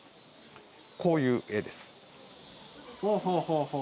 こういう絵です。